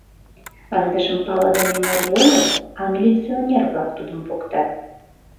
Ындыжым палыдыме марий огыл, а милиционер-влак тудым поктат.